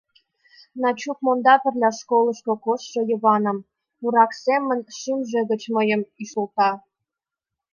Начук монда пырля школышко коштшо Йываным — пурак семын шӱмжӧ гыч мый ӱштылтам.